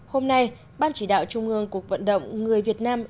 hôm nay ban chỉ đạo trung ương cuộc vận động người việt nam